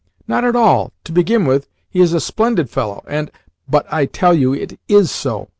"Not at all! To begin with, he is a splendid fellow, and " "But I tell you it IS so.